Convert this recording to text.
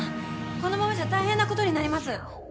このままじゃ大変なことになります！